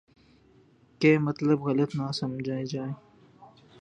کہ مطلب غلط نہ سمجھا جائے۔